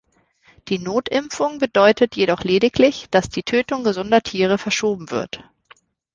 Die Notimpfung bedeutet jedoch lediglich, dass die Tötung gesunder Tiere verschoben wird.